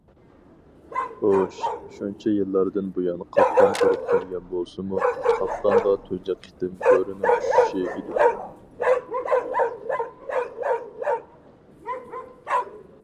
ئۇ شۇنچە يىللاردىن بۇيان قاپقان قۇرۇپ كەلگەن بولسىمۇ، قاپقانغا تۇنجى قېتىم بۆرىنىڭ چۈشۈشى ئىدى.